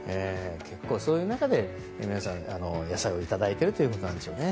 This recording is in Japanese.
そういう中で皆さん、野菜をいただいているということでしょうね。